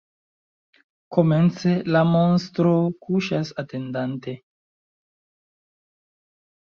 Komence, la monstro kuŝas atendante.